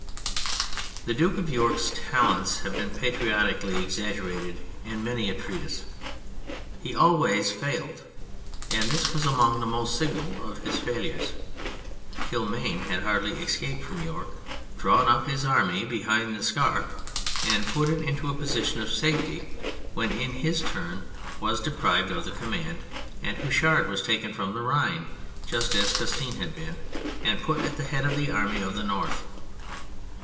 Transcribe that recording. The Duke of York's talents have been patriotically exaggerated in many a treatise. He always failed : and this was among the most signal of his failures. Kilmaine had hardly escaped from York, drawn up his army behind the Scarpe and put it into a position of safety when he in his turn was deprived of the command, and Houchard was taken from the Rhine just as Custine had been, and put at the head of the Army of the North.